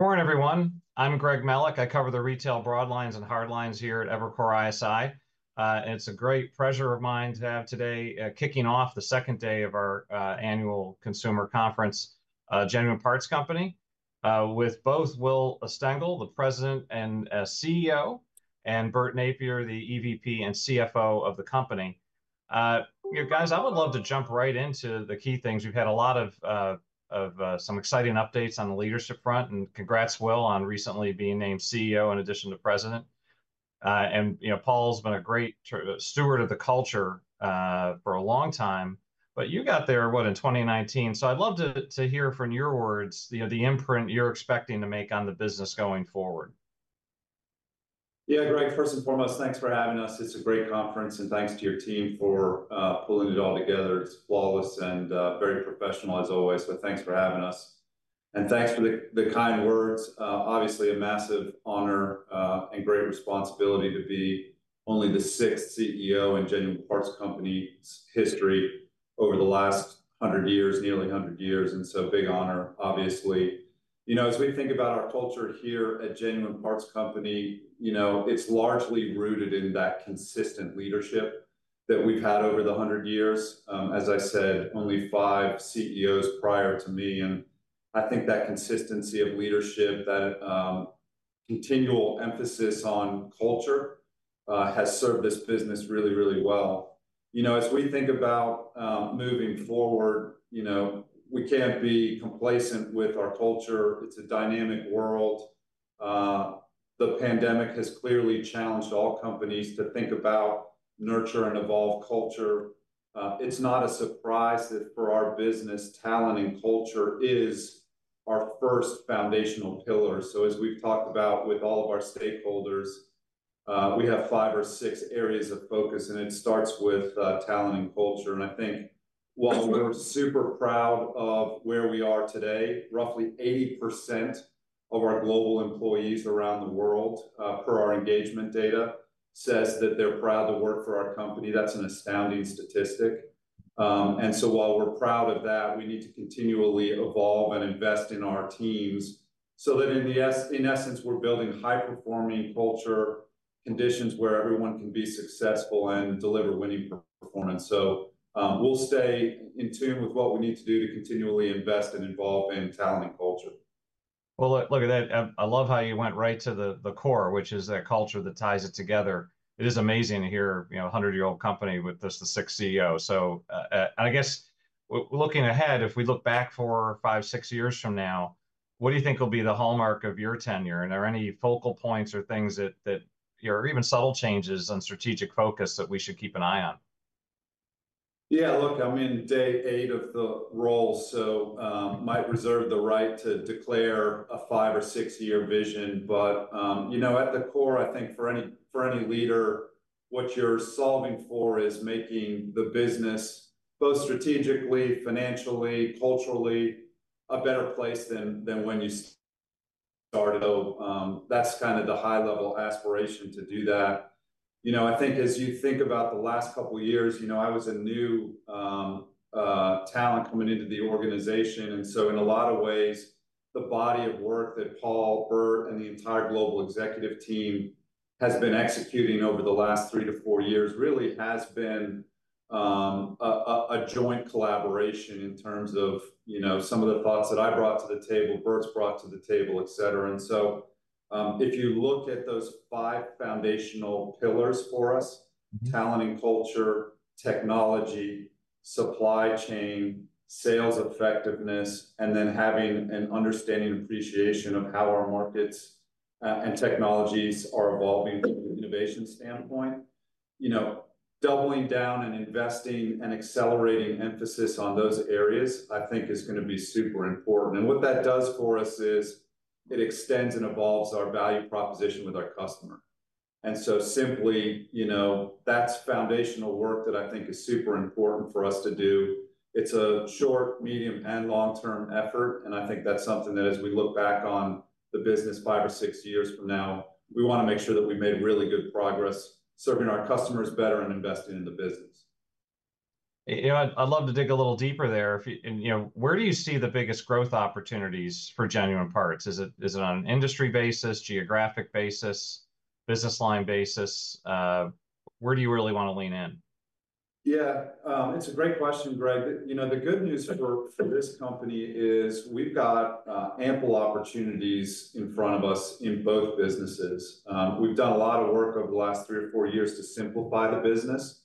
Morning, everyone. I'm Greg Melich. I cover the retail broadlines and hardlines here at Evercore ISI. It's a great pleasure of mine to have today kicking off the second day of our Annual Consumer Conference, Genuine Parts Company, with both Will Stengel, the President and CEO, and Bert Nappier, the EVP and CFO of the company. You know, guys, I would love to jump right into the key things. We've had a lot of some exciting updates on the leadership front, and congrats, Will, on recently being named CEO in addition to president. And, you know, Paul's been a great steward of the culture for a long time, but you got there, what, in 2019? So I'd love to hear from your words, you know, the imprint you're expecting to make on the business going forward. Yeah, Greg, first and foremost, thanks for having us. It's a great conference, and thanks to your team for pulling it all together. It's flawless and very professional, as always. But thanks for having us. And thanks for the kind words. Obviously, a massive honor and great responsibility to be only the sixth CEO in Genuine Parts Company's history over the last 100 years, nearly 100 years. And so big honor, obviously. You know, as we think about our culture here at Genuine Parts Company, you know, it's largely rooted in that consistent leadership that we've had over the 100 years. As I said, only five CEOs prior to me. And I think that consistency of leadership, that continual emphasis on culture has served this business really, really well. You know, as we think about moving forward, you know, we can't be complacent with our culture. It's a dynamic world. The pandemic has clearly challenged all companies to think about, nurture, and evolve culture. It's not a surprise that for our business, talent and culture is our first foundational pillar. As we've talked about with all of our stakeholders, we have five or six areas of focus, and it starts with talent and culture. I think while we're super proud of where we are today, roughly 80% of our global employees around the world, per our engagement data, says that they're proud to work for our company. That's an astounding statistic. While we're proud of that, we need to continually evolve and invest in our teams so that in the essence, we're building high-performing culture conditions where everyone can be successful and deliver winning performance. We'll stay in tune with what we need to do to continually invest and involve in talent and culture. Well, look at that. I love how you went right to the core, which is that culture that ties it together. It is amazing to hear, you know, a 100-year-old company with just the six CEOs. So I guess looking ahead, if we look back four, five, six years from now, what do you think will be the hallmark of your tenure? And are there any focal points or things that, you know, or even subtle changes on strategic focus that we should keep an eye on? Yeah, look, I'm in day eight of the role, so might reserve the right to declare a five or six year vision. But, you know, at the core, I think for any leader, what you're solving for is making the business both strategically, financially, culturally a better place than when you started. So that's kind of the high-level aspiration to do that. You know, I think as you think about the last couple of years, you know, I was a new talent coming into the organization. And so in a lot of ways, the body of work that Paul, Bert, and the entire global executive team have been executing over the last three to four years really has been a joint collaboration in terms of, you know, some of the thoughts that I brought to the table, Bert's brought to the table, et cetera. If you look at those five foundational pillars for us: talent and culture, technology, supply chain, sales effectiveness, and then having an understanding and appreciation of how our markets and technologies are evolving from an innovation standpoint, you know, doubling down and investing and accelerating emphasis on those areas, I think is going to be super important. What that does for us is it extends and evolves our value proposition with our customer. Simply, you know, that's foundational work that I think is super important for us to do. It's a short, medium, and long-term effort. I think that's something that as we look back on the business five or six years from now, we want to make sure that we've made really good progress serving our customers better and investing in the business. You know, I'd love to dig a little deeper there. And, you know, where do you see the biggest growth opportunities for Genuine Parts? Is it on an industry basis, geographic basis, business line basis? Where do you really want to lean in? Yeah, it's a great question, Greg. You know, the good news for this company is we've got ample opportunities in front of us in both businesses. We've done a lot of work over the last three or four years to simplify the business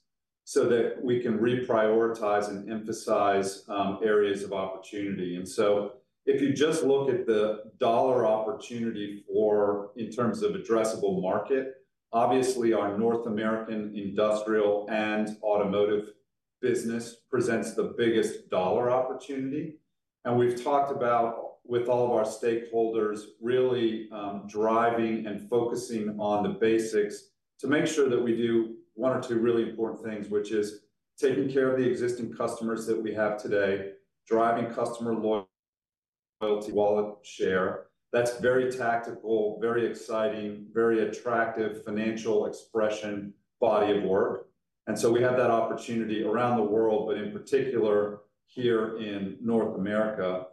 so that we can reprioritize and emphasize areas of opportunity. And so if you just look at the dollar opportunity for, in terms of addressable market, obviously our North American industrial and automotive business presents the biggest dollar opportunity. And we've talked about with all of our stakeholders really driving and focusing on the basics to make sure that we do one or two really important things, which is taking care of the existing customers that we have today, driving customer loyalty, wallet share. That's very tactical, very exciting, very attractive financial expression body of work. And so we have that opportunity around the world, but in particular here in North America.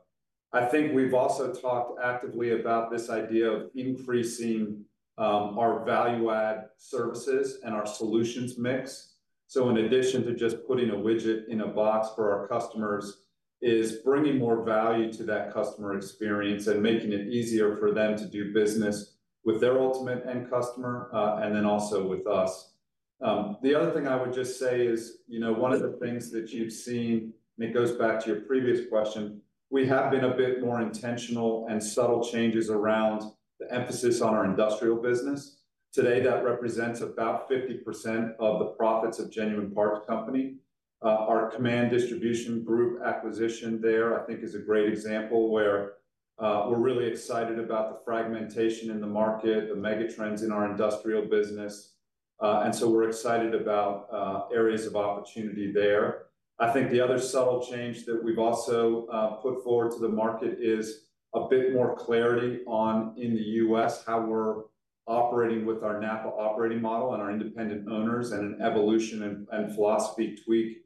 I think we've also talked actively about this idea of increasing our value-add services and our solutions mix. So in addition to just putting a widget in a box for our customers, it's bringing more value to that customer experience and making it easier for them to do business with their ultimate end customer and then also with us. The other thing I would just say is, you know, one of the things that you've seen, and it goes back to your previous question, we have been a bit more intentional and subtle changes around the emphasis on our industrial business. Today, that represents about 50% of the profits of Genuine Parts Company. Our Kaman Distribution Group acquisition there, I think, is a great example where we're really excited about the fragmentation in the market, the megatrends in our industrial business. And so we're excited about areas of opportunity there. I think the other subtle change that we've also put forward to the market is a bit more clarity on in the U.S. how we're operating with our NAPA operating model and our independent owners and an evolution and philosophy tweak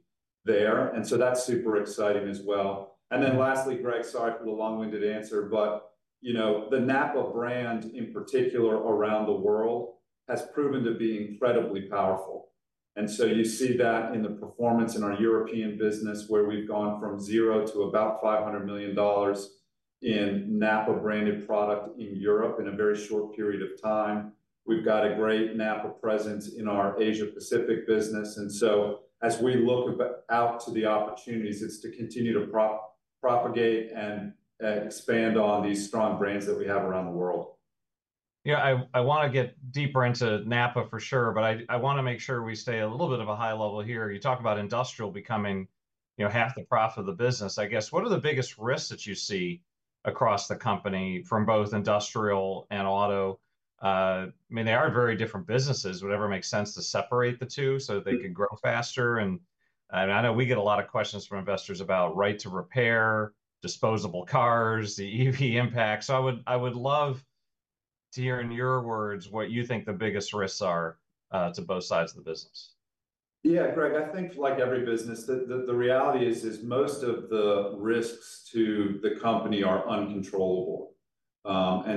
there. And so that's super exciting as well. And then lastly, Greg, sorry for the long-winded answer, but, you know, the NAPA brand in particular around the world has proven to be incredibly powerful. And so you see that in the performance in our European business where we've gone from zero to about $500 million in NAPA-branded product in Europe in a very short period of time. We've got a great NAPA presence in our Asia-Pacific business. And so as we look out to the opportunities, it's to continue to propagate and expand on these strong brands that we have around the world. Yeah, I want to get deeper into NAPA for sure, but I want to make sure we stay a little bit of a high level here. You talk about industrial becoming, you know, half the profit of the business. I guess what are the biggest risks that you see across the company from both industrial and auto? I mean, they are very different businesses. It would never make sense to separate the two so that they can grow faster. And I know we get a lot of questions from investors about right to repair, disposable cars, the EV impact. So I would love to hear in your words what you think the biggest risks are to both sides of the business. Yeah, Greg, I think like every business, the reality is most of the risks to the company are uncontrollable.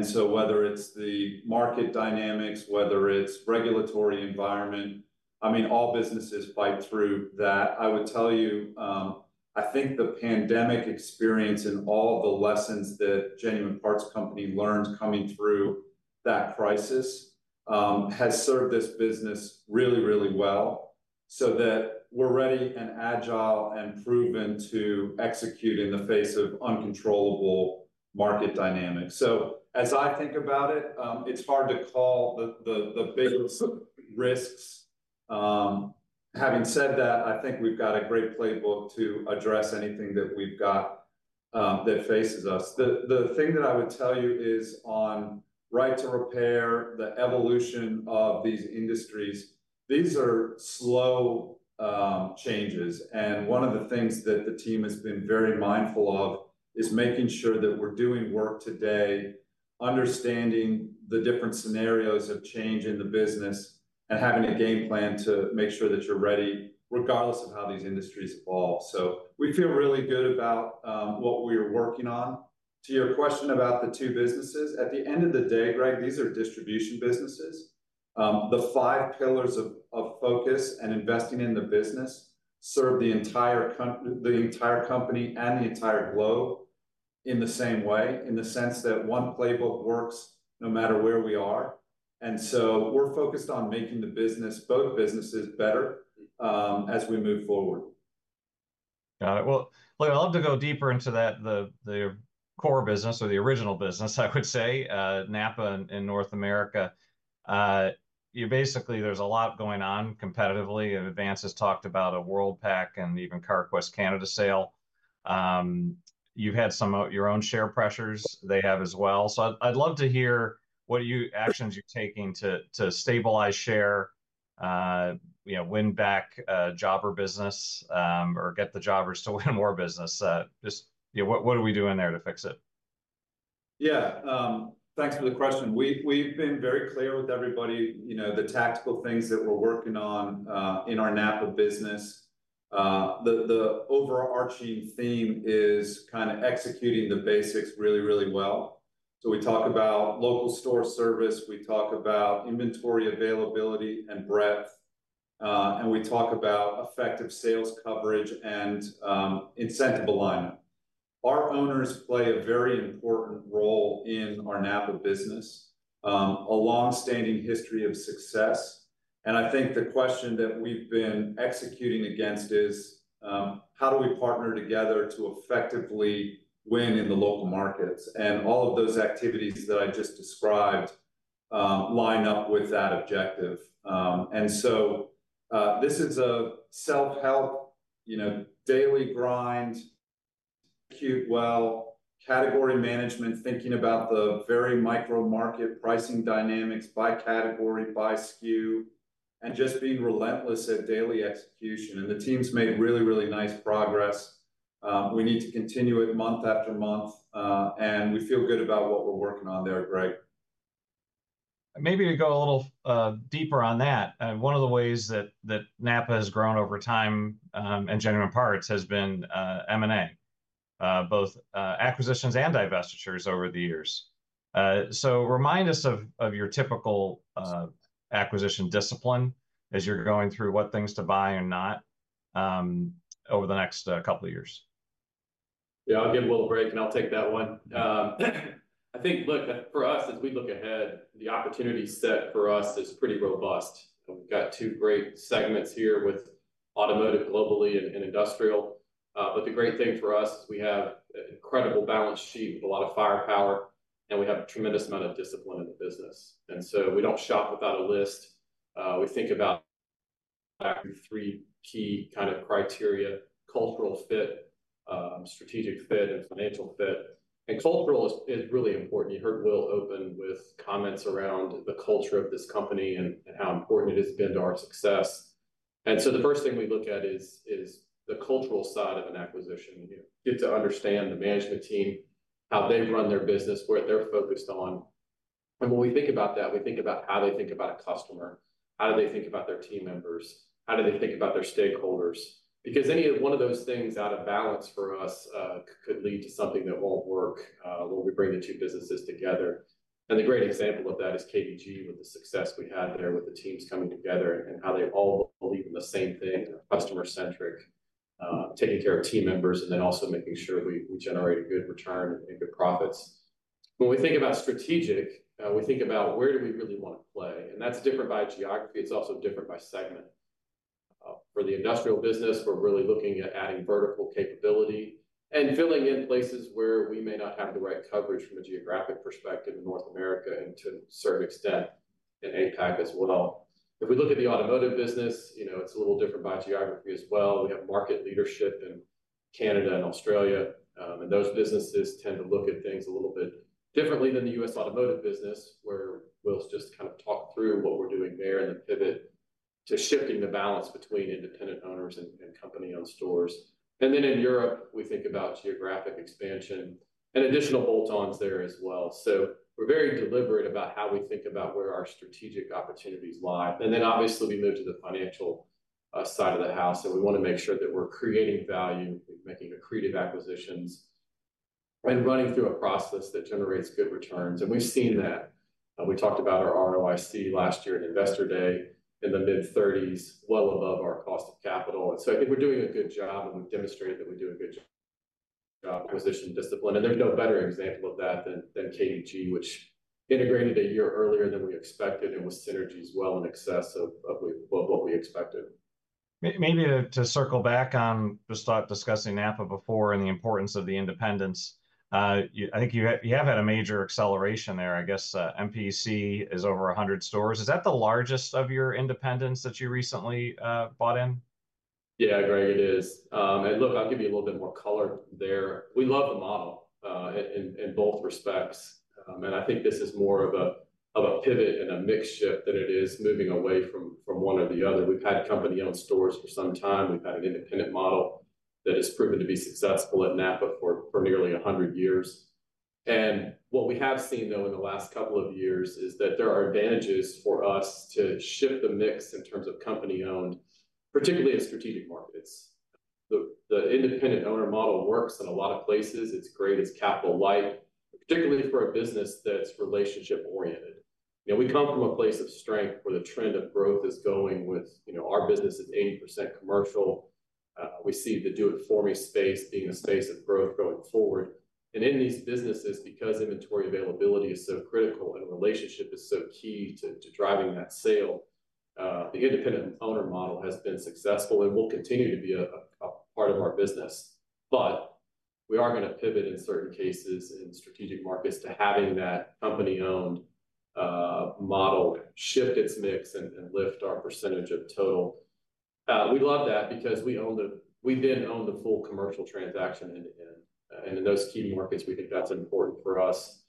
So whether it's the market dynamics, whether it's regulatory environment, I mean, all businesses fight through that. I would tell you, I think the pandemic experience and all the lessons that Genuine Parts Company learned coming through that crisis has served this business really, really well so that we're ready and agile and proven to execute in the face of uncontrollable market dynamics. So as I think about it, it's hard to call the biggest risks. Having said that, I think we've got a great playbook to address anything that we've got that faces us. The thing that I would tell you is on right to repair, the evolution of these industries, these are slow changes. One of the things that the team has been very mindful of is making sure that we're doing work today, understanding the different scenarios of change in the business, and having a game plan to make sure that you're ready regardless of how these industries evolve. We feel really good about what we are working on. To your question about the two businesses, at the end of the day, Greg, these are distribution businesses. The five pillars of focus and investing in the business serve the entire company and the entire globe in the same way, in the sense that one playbook works no matter where we are. And so we're focused on making both businesses better as we move forward. Got it. Well, look, I'd love to go deeper into that, the core business or the original business, I would say, NAPA in North America. Basically, there's a lot going on competitively. Advance has talked about a Worldpac and even Carquest Canada sale. You've had some of your own share pressures they have as well. So I'd love to hear what actions you're taking to stabilize share, you know, win back jobber business or get the jobbers to win more business. Just, you know, what are we doing there to fix it? Yeah, thanks for the question. We've been very clear with everybody, you know, the tactical things that we're working on in our NAPA business. The overarching theme is kind of executing the basics really, really well. So we talk about local store service. We talk about inventory availability and breadth. And we talk about effective sales coverage and incentive alignment. Our owners play a very important role in our NAPA business, a long-standing history of success. And I think the question that we've been executing against is how do we partner together to effectively win in the local markets? And all of those activities that I just described line up with that objective. And so this is a self-help, you know, daily grind, execute well, category management, thinking about the very micro market pricing dynamics by category, by SKU, and just being relentless at daily execution. The team's made really, really nice progress. We need to continue it month after month. We feel good about what we're working on there, Greg. Maybe to go a little deeper on that, one of the ways that NAPA has grown over time and Genuine Parts has been M&A, both acquisitions and divestitures over the years. So remind us of your typical acquisition discipline as you're going through what things to buy and not over the next couple of years. Yeah, I'll give Will a break and I'll take that one. I think, look, for us, as we look ahead, the opportunity set for us is pretty robust. We've got two great segments here with automotive globally and industrial. But the great thing for us is we have an incredible balance sheet with a lot of firepower, and we have a tremendous amount of discipline in the business. And so we don't shop without a list. We think about three key kind of criteria: cultural fit, strategic fit, and financial fit. And cultural is really important. You heard Will open with comments around the culture of this company and how important it has been to our success. And so the first thing we look at is the cultural side of an acquisition. You get to understand the management team, how they run their business, what they're focused on. When we think about that, we think about how they think about a customer, how do they think about their team members, how do they think about their stakeholders? Because any of one of those things out of balance for us could lead to something that won't work when we bring the two businesses together. The great example of that is KDG with the success we had there with the teams coming together and how they all believe in the same thing, customer-centric, taking care of team members, and then also making sure we generate a good return and good profits. When we think about strategic, we think about where do we really want to play? That's different by geography. It's also different by segment. For the industrial business, we're really looking at adding vertical capability and filling in places where we may not have the right coverage from a geographic perspective in North America and to a certain extent in APAC as well. If we look at the automotive business, you know, it's a little different by geography as well. We have market leadership in Canada and Australia. And those businesses tend to look at things a little bit differently than the U.S. automotive business, where Will's just kind of talked through what we're doing there and the pivot to shifting the balance between independent owners and company-owned stores. And then in Europe, we think about geographic expansion and additional bolt-ons there as well. So we're very deliberate about how we think about where our strategic opportunities lie. And then obviously we move to the financial side of the house. We want to make sure that we're creating value, making accretive acquisitions, and running through a process that generates good returns. We've seen that. We talked about our ROIC last year at Investor Day in the mid-30s, well above our cost of capital. So I think we're doing a good job, and we've demonstrated that we do a good job position discipline. There's no better example of that than KDG, which integrated a year earlier than we expected and was synergy as well in excess of what we expected. Maybe to circle back on just discussing NAPA before and the importance of the independents, I think you have had a major acceleration there. I guess MPEC is over 100 stores. Is that the largest of your independents that you recently bought in? Yeah, Greg, it is. And look, I'll give you a little bit more color there. We love the model in both respects. And I think this is more of a pivot and a mixture than it is moving away from one or the other. We've had company-owned stores for some time. We've had an independent model that has proven to be successful at NAPA for nearly 100 years. And what we have seen, though, in the last couple of years is that there are advantages for us to shift the mix in terms of company-owned, particularly in strategic markets. The independent owner model works in a lot of places. It's great. It's capital-like, particularly for a business that's relationship-oriented. You know, we come from a place of strength where the trend of growth is going with, you know, our business is 80% commercial. We see the do-it-for-me space being a space of growth going forward. In these businesses, because inventory availability is so critical and relationship is so key to driving that sale, the independent owner model has been successful and will continue to be a part of our business. We are going to pivot in certain cases in strategic markets to having that company-owned model shift its mix and lift our percentage of total. We love that because we then own the full commercial transaction end-to-end. In those key markets, we think that's important for us.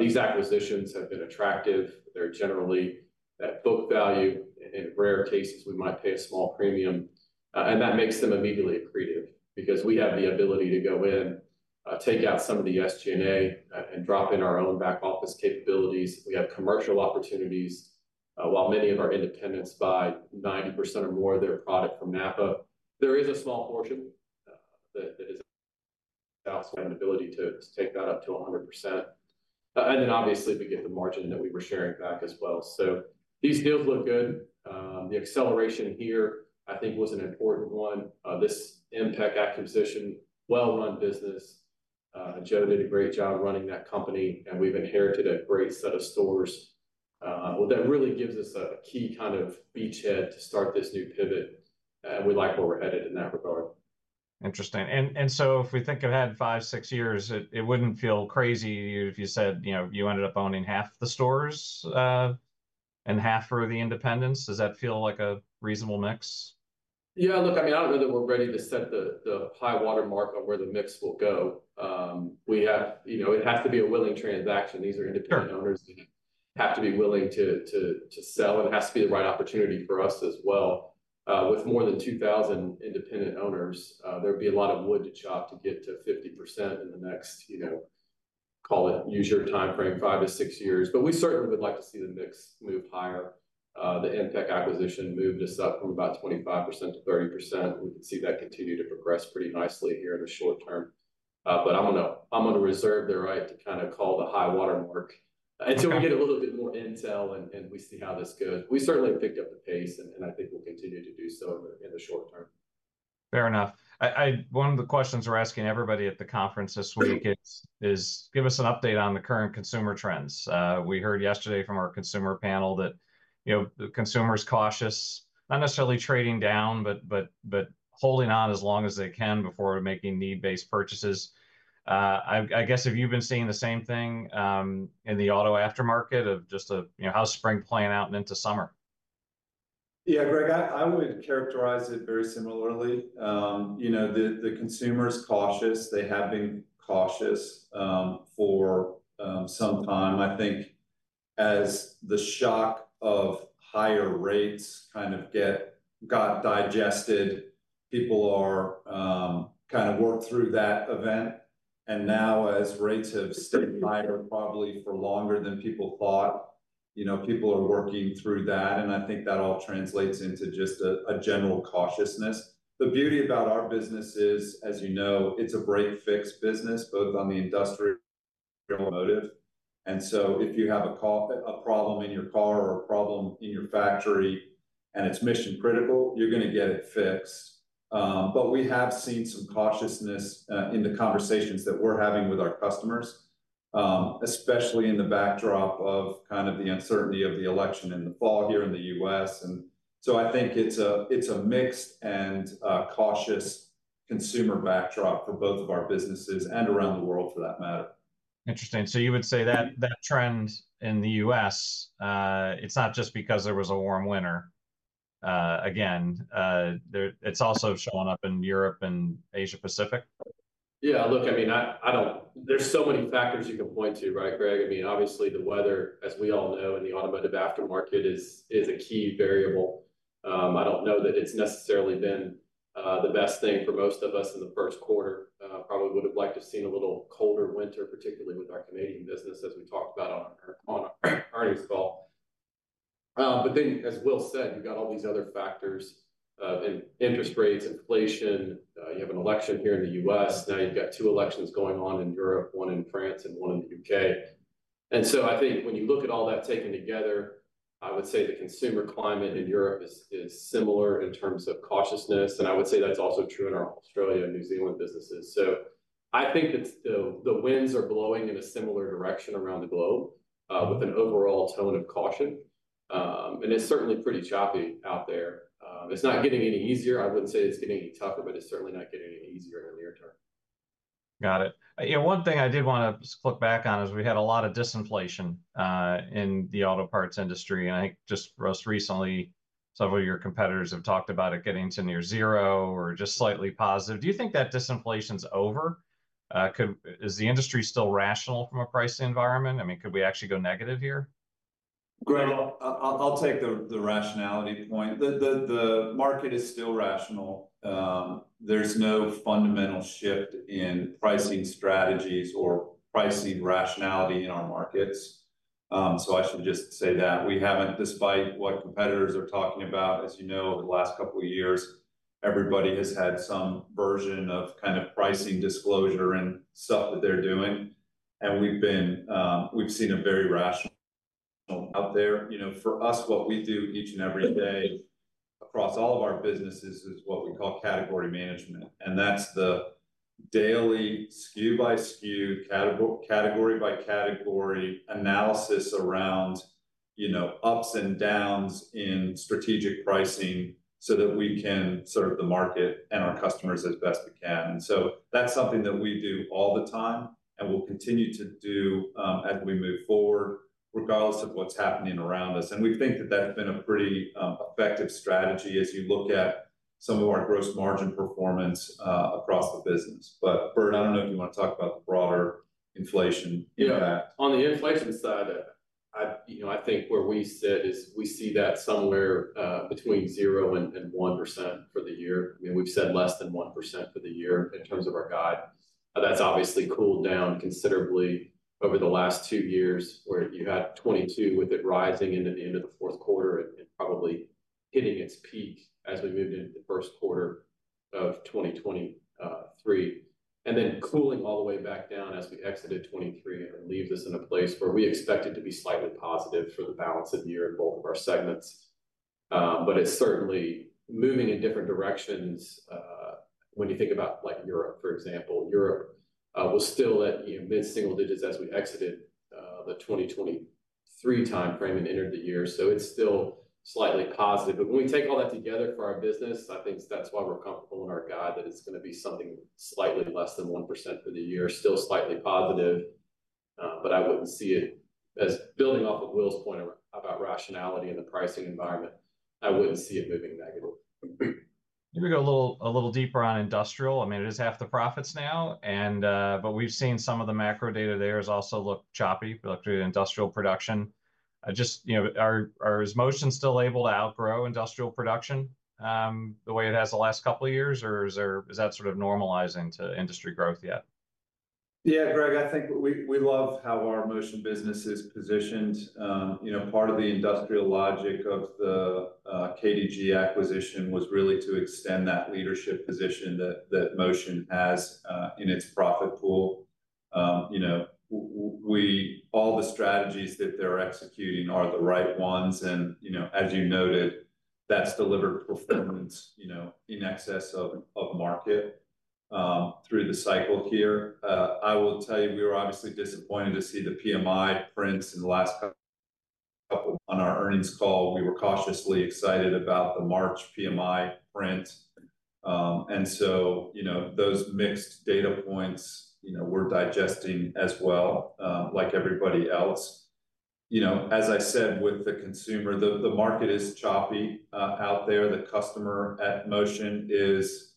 These acquisitions have been attractive. They're generally at book value. In rare cases, we might pay a small premium. That makes them immediately accretive because we have the ability to go in, take out some of the SG&A, and drop in our own back office capabilities. We have commercial opportunities. While many of our independents buy 90% or more of their product from NAPA, there is a small portion that is outside the ability to take that up to 100%. And then obviously we get the margin that we were sharing back as well. So these deals look good. The acceleration here, I think, was an important one. This MPEC acquisition, well-run business. Joe did a great job running that company, and we've inherited a great set of stores. Well, that really gives us a key kind of beachhead to start this new pivot. And we like where we're headed in that regard. Interesting. And so if we think ahead five, six years, it wouldn't feel crazy if you said, you know, you ended up owning half the stores and half for the independents. Does that feel like a reasonable mix? Yeah, look, I mean, I don't know that we're ready to set the high-water mark on where the mix will go. We have, you know, it has to be a willing transaction. These are independent owners that have to be willing to sell. And it has to be the right opportunity for us as well. With more than 2,000 independent owners, there would be a lot of wood to chop to get to 50% in the next, you know, call it, use your time frame, five to six years. But we certainly would like to see the mix move higher. The MPEC acquisition moved us up from about 25%-30%. We can see that continue to progress pretty nicely here in the short term. But I'm going to reserve the right to kind of call the high-water mark until we get a little bit more intel and we see how this goes. We certainly picked up the pace, and I think we'll continue to do so in the short term. Fair enough. One of the questions we're asking everybody at the conference this week is, give us an update on the current consumer trends. We heard yesterday from our consumer panel that, you know, consumers are cautious, not necessarily trading down, but holding on as long as they can before making need-based purchases. I guess have you been seeing the same thing in the auto aftermarket of just a, you know, how's spring playing out and into summer? Yeah, Greg, I would characterize it very similarly. You know, the consumers are cautious. They have been cautious for some time. I think as the shock of higher rates kind of got digested, people are kind of working through that event. And now as rates have stayed higher probably for longer than people thought, you know, people are working through that. And I think that all translates into just a general cautiousness. The beauty about our business is, as you know, it's a break-fix business, both on the industrial, Motion. And so if you have a problem in your car or a problem in your factory and it's mission-critical, you're going to get it fixed. But we have seen some cautiousness in the conversations that we're having with our customers, especially in the backdrop of kind of the uncertainty of the election in the fall here in the U.S. And so I think it's a mixed and cautious consumer backdrop for both of our businesses and around the world for that matter. Interesting. So you would say that trend in the U.S., it's not just because there was a warm winter again. It's also showing up in Europe and Asia-Pacific? Yeah, look, I mean, there's so many factors you can point to, right, Greg? I mean, obviously the weather, as we all know, in the automotive aftermarket is a key variable. I don't know that it's necessarily been the best thing for most of us in the first quarter. Probably would have liked to have seen a little colder winter, particularly with our Canadian business, as we talked about on our earnings call. But then, as Will said, you've got all these other factors: interest rates, inflation. You have an election here in the U.S. Now you've got two elections going on in Europe, one in France and one in the U.K. And so I think when you look at all that taken together, I would say the consumer climate in Europe is similar in terms of cautiousness. I would say that's also true in our Australia and New Zealand businesses. I think that the winds are blowing in a similar direction around the globe with an overall tone of caution. It's certainly pretty choppy out there. It's not getting any easier. I wouldn't say it's getting any tougher, but it's certainly not getting any easier in the near term. Got it. You know, one thing I did want to look back on is we had a lot of disinflation in the auto parts industry. I think just most recently, several of your competitors have talked about it getting to near zero or just slightly positive. Do you think that disinflation is over? Is the industry still rational from a pricing environment? I mean, could we actually go negative here? Greg, I'll take the rationality point. The market is still rational. There's no fundamental shift in pricing strategies or pricing rationality in our markets. So I should just say that we haven't, despite what competitors are talking about, as you know, over the last couple of years, everybody has had some version of kind of pricing disclosure and stuff that they're doing. And we've seen a very rational out there. You know, for us, what we do each and every day across all of our businesses is what we call category management. And that's the daily SKU by SKU, category by category analysis around, you know, ups and downs in strategic pricing so that we can serve the market and our customers as best we can. That's something that we do all the time and will continue to do as we move forward, regardless of what's happening around us. We think that that's been a pretty effective strategy as you look at some of our gross margin performance across the business. Bert, I don't know if you want to talk about the broader inflation impact. Yeah, on the inflation side, you know, I think where we sit is we see that somewhere between 0%-1% for the year. I mean, we've said less than 1% for the year in terms of our guide. That's obviously cooled down considerably over the last two years where you had 2022 with it rising into the end of the fourth quarter and probably hitting its peak as we moved into the first quarter of 2023. And then cooling all the way back down as we exited 2023 and leave this in a place where we expected to be slightly positive for the balance of the year in both of our segments. But it's certainly moving in different directions when you think about, like, Europe, for example. Europe was still at mid-single digits as we exited the 2023 timeframe and entered the year. So it's still slightly positive. But when we take all that together for our business, I think that's why we're comfortable in our guide that it's going to be something slightly less than 1% for the year, still slightly positive. But I wouldn't see it, as building off of Will's point about rationality in the pricing environment, I wouldn't see it moving negative. Maybe go a little deeper on industrial. I mean, it is half the profits now. And but we've seen some of the macro data there has also looked choppy, particularly industrial production. Just, you know, is Motion still able to outgrow industrial production the way it has the last couple of years? Or is that sort of normalizing to industry growth yet? Yeah, Greg, I think we love how our Motion business is positioned. You know, part of the industrial logic of the KDG acquisition was really to extend that leadership position that Motion has in its profit pool. You know, all the strategies that they're executing are the right ones. You know, as you noted, that's delivered performance, you know, in excess of market through the cycle here. I will tell you, we were obviously disappointed to see the PMI prints in the last couple of months. On our earnings call, we were cautiously excited about the March PMI print. So, you know, those mixed data points, you know, we're digesting as well, like everybody else. You know, as I said, with the consumer, the market is choppy out there. The customer at Motion is,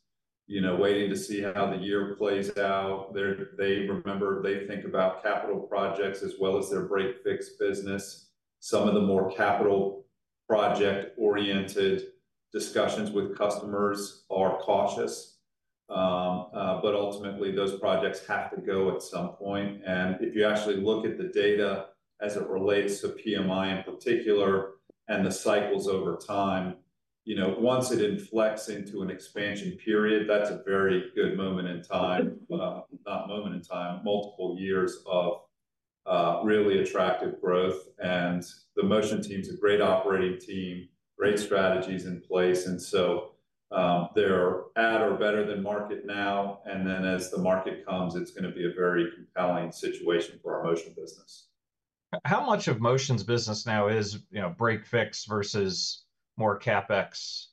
you know, waiting to see how the year plays out. They remember, they think about capital projects as well as their break-fix business. Some of the more capital project-oriented discussions with customers are cautious. But ultimately, those projects have to go at some point. And if you actually look at the data as it relates to PMI in particular and the cycles over time, you know, once it inflects into an expansion period, that's a very good moment in time, not moment in time, multiple years of really attractive growth. And the Motion team is a great operating team, great strategies in place. And so they're at or better than market now. And then as the market comes, it's going to be a very compelling situation for our Motion business. How much of Motion's business now is, you know, break-fix versus more CapEx?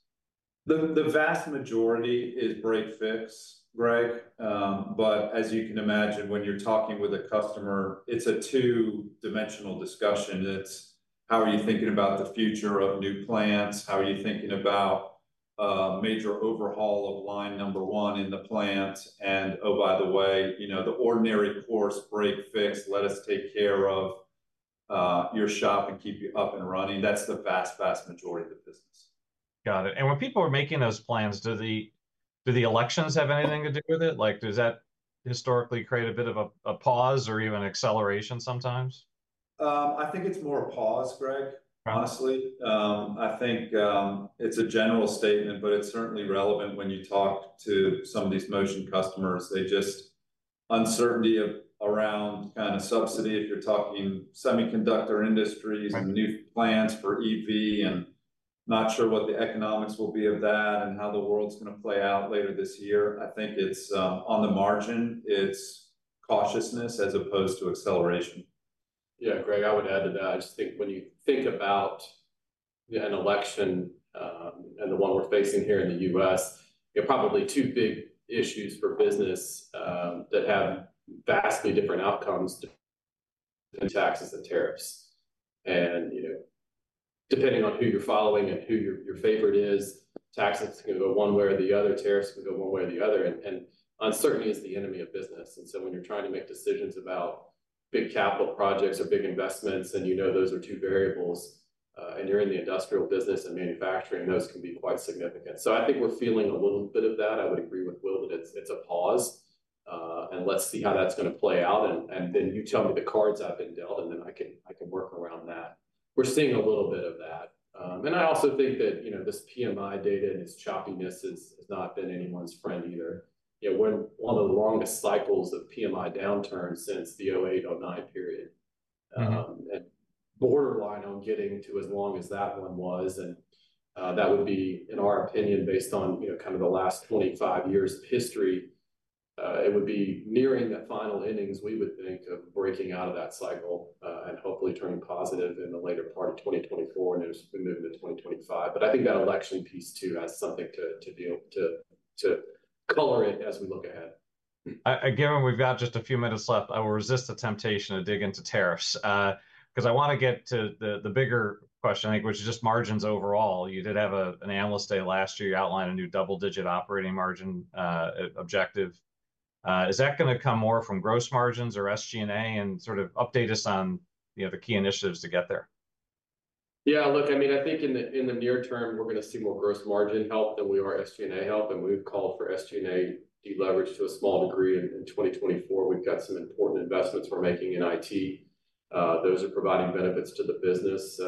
The vast majority is break-fix, Greg. But as you can imagine, when you're talking with a customer, it's a two-dimensional discussion. It's, how are you thinking about the future of new plants? How are you thinking about major overhaul of line number one in the plant? And, oh, by the way, you know, the ordinary course, break-fix, let us take care of your shop and keep you up and running. That's the vast, vast majority of the business. Got it. And when people are making those plans, do the elections have anything to do with it? Like, does that historically create a bit of a pause or even acceleration sometimes? I think it's more a pause, Greg, honestly. I think it's a general statement, but it's certainly relevant when you talk to some of these Motion customers. They just uncertainty around kind of subsidy if you're talking semiconductor industries and new plants for EV and not sure what the economics will be of that and how the world's going to play out later this year. I think it's on the margin. It's cautiousness as opposed to acceleration. Yeah, Greg, I would add to that. I just think when you think about an election and the one we're facing here in the U.S., you have probably two big issues for business that have vastly different outcomes than taxes and tariffs. You know, depending on who you're following and who your favorite is, taxes can go one way or the other. Tariffs can go one way or the other. Uncertainty is the enemy of business. So when you're trying to make decisions about big capital projects or big investments, and you know those are two variables, and you're in the industrial business and manufacturing, those can be quite significant. I think we're feeling a little bit of that. I would agree with Will that it's a pause. Let's see how that's going to play out. And then you tell me the cards I've been dealt, and then I can work around that. We're seeing a little bit of that. And I also think that, you know, this PMI data and its choppiness has not been anyone's friend either. You know, one of the longest cycles of PMI downturns since the 2008, 2009 period. And borderline on getting to as long as that one was. And that would be, in our opinion, based on, you know, kind of the last 25 years of history, it would be nearing the final innings, we would think, of breaking out of that cycle and hopefully turning positive in the later part of 2024 and as we move into 2025. But I think that election piece too has something to color it as we look ahead. Given we've got just a few minutes left, I will resist the temptation to dig into tariffs because I want to get to the bigger question, I think, which is just margins overall. You did have an analyst day last year. You outlined a new double-digit operating margin objective. Is that going to come more from gross margins or SG&A and sort of update us on, you know, the key initiatives to get there? Yeah, look, I mean, I think in the near term, we're going to see more gross margin help than we are SG&A help. And we've called for SG&A deleveraged to a small degree in 2024. We've got some important investments we're making in IT. Those are providing benefits to the business.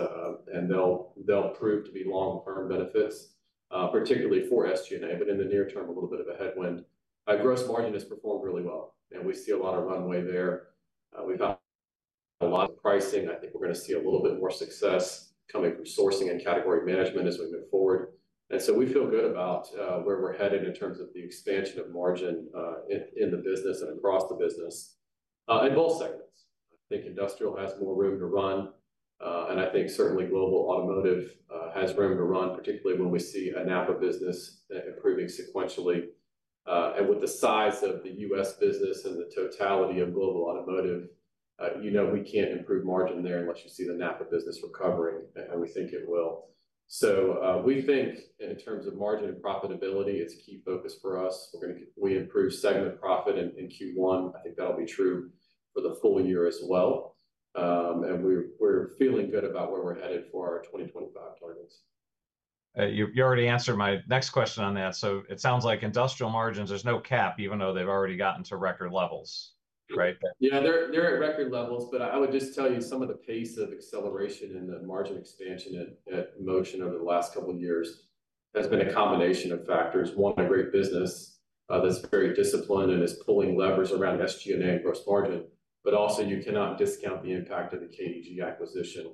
And they'll prove to be long-term benefits, particularly for SG&A, but in the near term, a little bit of a headwind. Gross margin has performed really well. And we see a lot of runway there. We've had a lot of pricing. I think we're going to see a little bit more success coming from sourcing and category management as we move forward. And so we feel good about where we're headed in terms of the expansion of margin in the business and across the business in both segments. I think industrial has more room to run. I think certainly global automotive has room to run, particularly when we see a NAPA business improving sequentially. With the size of the U.S. business and the totality of global automotive, you know, we can't improve margin there unless you see the NAPA business recovering. We think it will. We think in terms of margin and profitability, it's a key focus for us. We improve segment profit in Q1. I think that'll be true for the full year as well. We're feeling good about where we're headed for our 2025 targets. You already answered my next question on that. So it sounds like industrial margins, there's no cap, even though they've already gotten to record levels, right? Yeah, they're at record levels. But I would just tell you some of the pace of acceleration in the margin expansion at Motion over the last couple of years has been a combination of factors. One, a great business that's very disciplined and is pulling levers around SG&A and gross margin. But also, you cannot discount the impact of the KDG acquisition,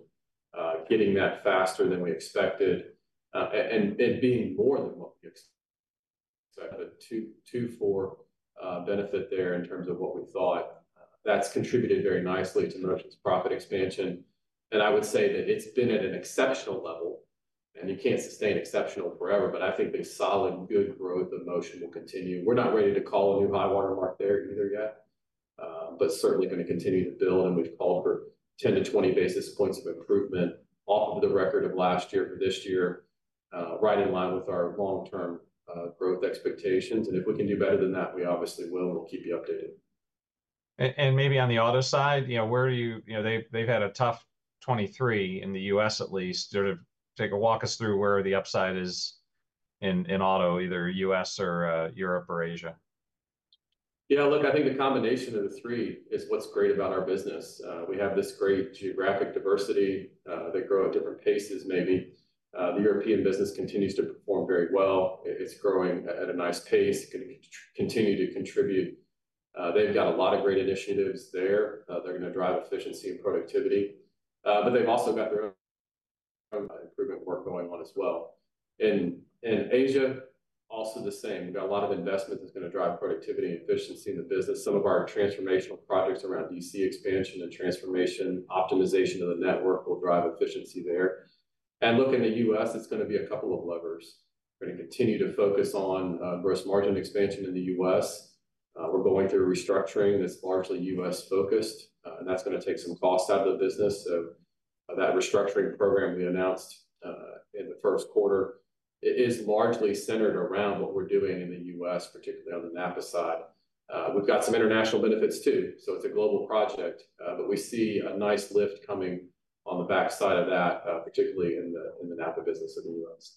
getting that faster than we expected and being more than what we expected. So I have a two-fer benefit there in terms of what we thought. That's contributed very nicely to Motion's profit expansion. And I would say that it's been at an exceptional level. And you can't sustain exceptional forever. But I think the solid good growth of Motion will continue. We're not ready to call a new high watermark there either yet, but certainly going to continue to build. And we've called for 10-20 basis points of improvement off of the record of last year for this year, right in line with our long-term growth expectations. And if we can do better than that, we obviously will. We'll keep you updated. Maybe on the auto side, you know, where do you, you know, they've had a tough 2023 in the U.S. at least. Walk us through where the upside is in auto, either U.S. or Europe or Asia. Yeah, look, I think the combination of the three is what's great about our business. We have this great geographic diversity. They grow at different paces, maybe. The European business continues to perform very well. It's growing at a nice pace. It can continue to contribute. They've got a lot of great initiatives there. They're going to drive efficiency and productivity. But they've also got their own improvement work going on as well. In Asia, also the same. We've got a lot of investment that's going to drive productivity and efficiency in the business. Some of our transformational projects around DC expansion and transformation optimization of the network will drive efficiency there. And looking at the U.S., it's going to be a couple of levers. We're going to continue to focus on gross margin expansion in the U.S. We're going through restructuring that's largely U.S. focused. That's going to take some costs out of the business. That restructuring program we announced in the first quarter is largely centered around what we're doing in the U.S., particularly on the NAPA side. We've got some international benefits too. It's a global project. We see a nice lift coming on the backside of that, particularly in the NAPA business in the U.S.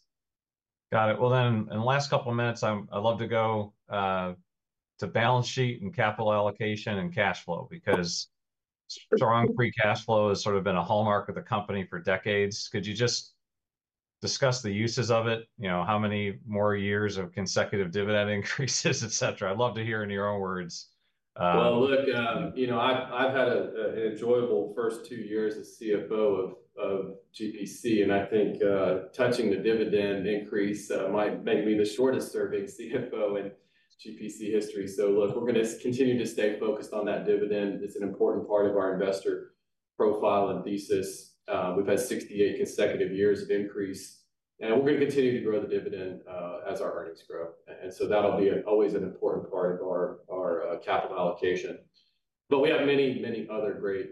Got it. Well, then in the last couple of minutes, I'd love to go to balance sheet and capital allocation and cash flow because strong free cash flow has sort of been a hallmark of the company for decades. Could you just discuss the uses of it? You know, how many more years of consecutive dividend increases, et cetera? I'd love to hear in your own words. Well, look, you know, I've had an enjoyable first two years as CFO of GPC. And I think touching the dividend increase might make me the shortest-serving CFO in GPC history. So, look, we're going to continue to stay focused on that dividend. It's an important part of our investor profile and thesis. We've had 68 consecutive years of increase. And we're going to continue to grow the dividend as our earnings grow. And so that'll be always an important part of our capital allocation. But we have many, many other great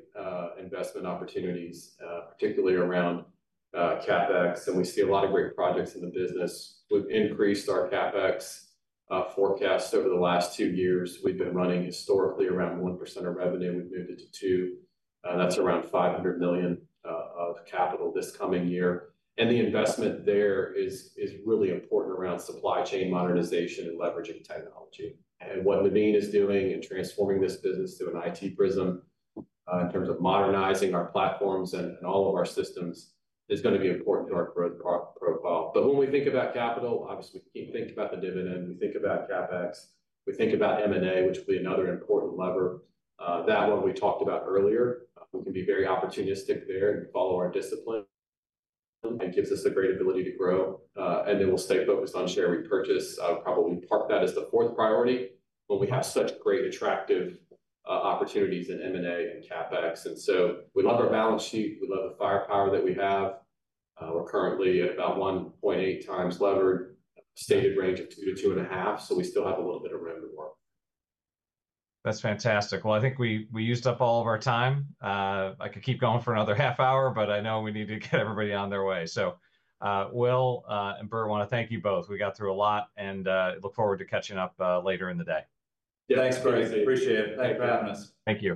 investment opportunities, particularly around CapEx. And we see a lot of great projects in the business. We've increased our CapEx forecast over the last two years. We've been running historically around 1% of revenue. We've moved it to 2%. That's around $500 million of capital this coming year. The investment there is really important around supply chain modernization and leveraging technology. What Naveen is doing in transforming this business through an IT prism in terms of modernizing our platforms and all of our systems is going to be important to our growth profile. But when we think about capital, obviously, we think about the dividend. We think about CapEx. We think about M&A, which will be another important lever. That one we talked about earlier. We can be very opportunistic there and follow our discipline. It gives us a great ability to grow. We'll stay focused on share repurchase. I would probably park that as the fourth priority when we have such great attractive opportunities in M&A and CapEx. We love our balance sheet. We love the firepower that we have. We're currently at about 1.8x levered, stated range of 2x-2.5x. So we still have a little bit of room to work. That's fantastic. Well, I think we used up all of our time. I could keep going for another half hour, but I know we need to get everybody on their way. So, Will and Bert, want to thank you both. We got through a lot. And look forward to catching up later in the day. Thanks, Greg. Appreciate it. Thanks for having us. Thank you.